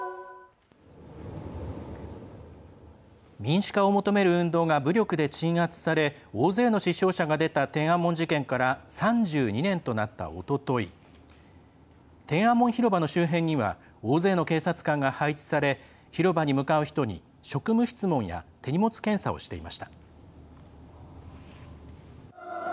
民主化を求める運動が武力で鎮圧され大勢の死傷者が出た天安門事件から３２年となった、おととい天安門広場の周辺には大勢の警察官が配置され広場に向かう人に職務質問や手荷物検査をしていました。